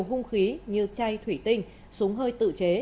các đối tượng đã tạo ra nhiều hung khí như chai thủy tinh súng hơi tự chế